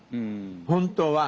本当は。